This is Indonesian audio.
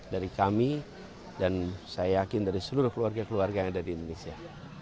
dari kami dan saya yakin dari seluruh keluarga keluarga yang ada di indonesia